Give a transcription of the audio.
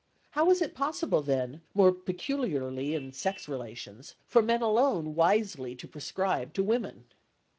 How is it possible then, more peculiarly in sex relations, for men alone wisely to prescribe to women?